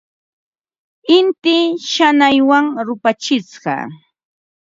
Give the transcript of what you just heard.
Inti shanaywan rupachishqa.